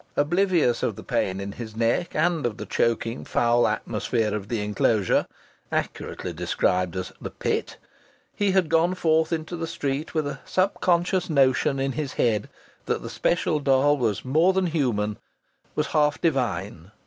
Oblivious of the pain in his neck, and of the choking, foul atmosphere of the enclosure, accurately described as the Pit, he had gone forth into the street with a subconscious notion in his head that the special doll was more than human, was half divine.